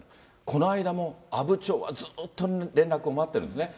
この間も阿武町はずっと連絡を待ってるんですね。